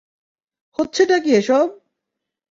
হচ্ছেটা কী এসব?